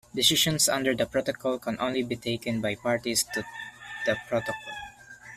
Decisions under the Protocol can only be taken by Parties to the Protocol.